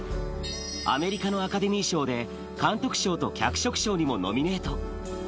アメリカのアカデミー賞で、監督賞と脚色賞にもノミネート。